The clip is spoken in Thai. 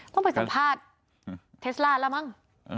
ต้องไปสัมภาษณ์เทสล่าแล้วมั้ง